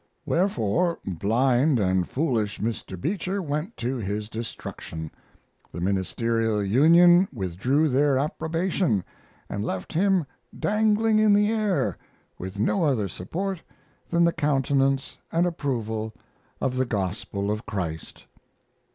Wherefore, blind and foolish Mr. Beecher went to his destruction. The Ministerial Union withdrew their approbation, and left him dangling in the air, with no other support than the countenance and approval of the gospel of Christ.